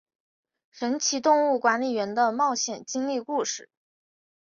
神奇动物管理员的冒险经历故事。